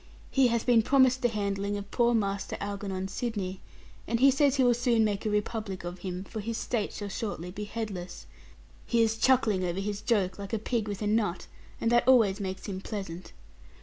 He hath been promised the handling of poor Master Algernon Sidney, and he says he will soon make republic of him; for his state shall shortly be headless. He is chuckling over his joke, like a pig with a nut; and that always makes him pleasant.